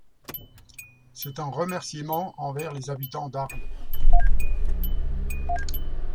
C'est en remerciement envers les habitants d'Arles.